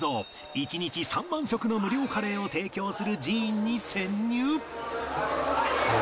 １日３万食の無料カレーを提供する寺院に潜入！